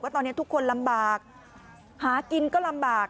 ตอนนี้ทุกคนลำบากหากินก็ลำบาก